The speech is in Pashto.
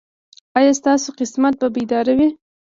ایا ستاسو قسمت به بیدار وي؟